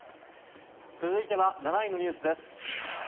続いては７位のニュースです。